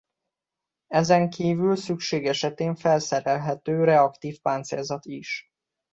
Ezenkívül szükség esetén felszerelhető reaktív páncélzat is.